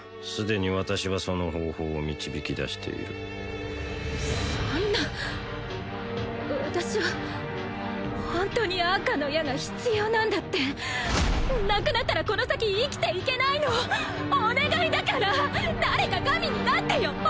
すでに私はその方法を導き出しているそんな私は本当に赤の矢が必要なんだってなくなったらこの先生きていけないのお願いだから誰か神になってよ